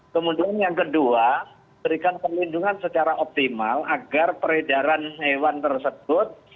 kemudian yang kedua berikan perlindungan secara optimal agar peredaran hewan tersebut